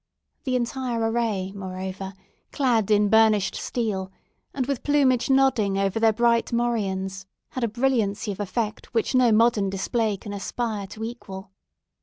The entire array, moreover, clad in burnished steel, and with plumage nodding over their bright morions, had a brilliancy of effect which no modern display can aspire to equal.